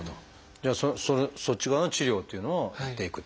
じゃあそっち側の治療っていうのをやっていくと。